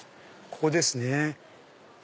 ここですね。